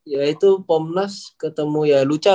ya itu pom las ketemu ya lu tuh